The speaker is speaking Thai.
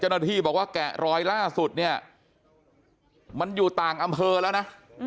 เจ้าหน้าที่บอกว่าแกะรอยล่าสุดเนี่ยมันอยู่ต่างอำเภอแล้วนะ